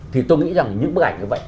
thì tôi nghĩ rằng những bức ảnh như vậy